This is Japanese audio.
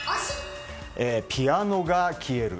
ピアノが消える。